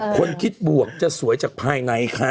คนคิดบวกจะสวยจากภายในค่ะ